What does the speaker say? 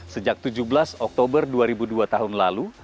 sejak tujuh belas oktober dua ribu dua tahun lalu